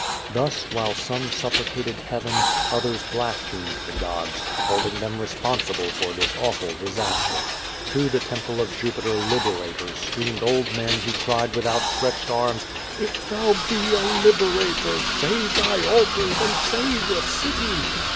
Thus, while some supplicated heaven, others blasphemed tlie gods, holding them responsible for this awful disaster. To the temple of Jupiter Liberator streamed old men who cried with outstretched arms: "If Thou be a Liberator, save Thy altars and save the city.'